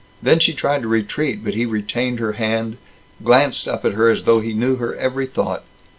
Then she tried to retreat, but he retained her hand, glanced up at her as though he knew her every thought.